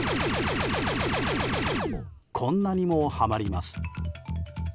こんなにも、はまります。